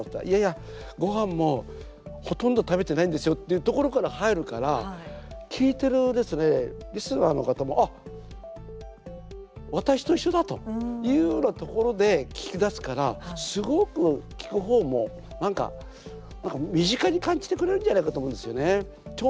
いやいや、ごはんもほとんど食べてないんですよっていうところから入るから聴いているリスナーの方もあ、私と一緒だというようなところで聞き出すから、すごく聴くほうもなんか身近に感じてくれるんじゃないかと思うんですよね。